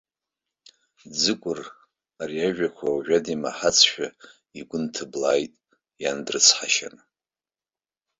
Ӡыкәыр ари ажәақәа уажәада имаҳацшәа игәы нҭыблааит иан дрыцҳашьаны.